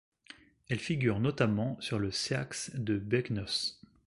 Elle figure notamment sur le seax de Beagnoth.